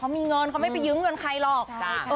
เขามีเงินเขาไม่ไปยืมเงินใครหรอก